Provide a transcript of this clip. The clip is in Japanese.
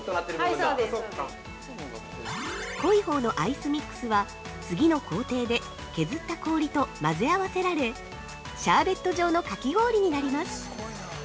◆濃い方のアイスミックスは次の工程で削った氷と混ぜ合わせられ、シャーベット状のかき氷になります。